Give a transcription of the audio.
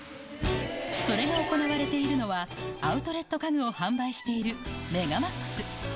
それが行われているのは、アウトレット家具を販売しているメガマックス。